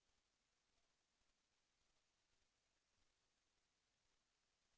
แสวได้ไงของเราก็เชียนนักอยู่ค่ะเป็นผู้ร่วมงานที่ดีมาก